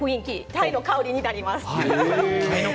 タイの香りになります。